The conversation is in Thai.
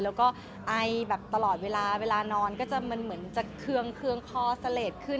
แล้วก็ไอแบบตลอดเวลาเวลานอนก็จะมันเหมือนจะเคืองคอเสลดขึ้น